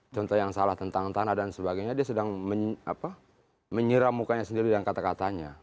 contoh yang salah tentang tanah dan sebagainya dia sedang menyiram mukanya sendiri dan kata katanya